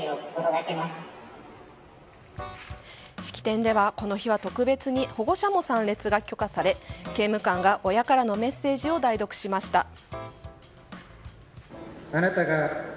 式典では、この日は特別に保護者も参列が許可され許可され刑務官が親からのメッセージを代読しました。